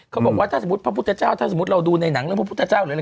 เขาบอกว่าถ้าสมมุติพระพุทธเจ้าถ้าสมมุติเราดูในหนังเรื่องพระพุทธเจ้าหรืออะไร